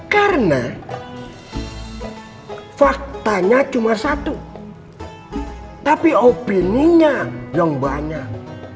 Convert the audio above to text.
karena faktanya cuma satu tapi opininya yang banyak